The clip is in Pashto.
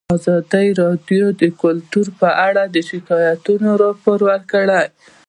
ازادي راډیو د کلتور اړوند شکایتونه راپور کړي.